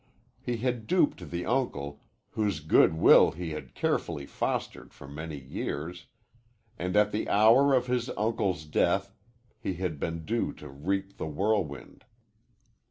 He had duped the uncle whose good will he had carefully fostered for many years, and at the hour of his uncle's death he had been due to reap the whirlwind.